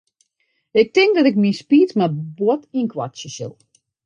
Ik tink dat ik myn speech mar bot ynkoartsje sil.